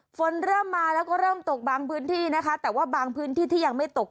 ฝนเริ่มมาแล้วก็เริ่มตกบางพื้นที่นะคะแต่ว่าบางพื้นที่ที่ยังไม่ตก